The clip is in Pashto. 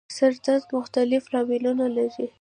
سر درد مختلف لاملونه لري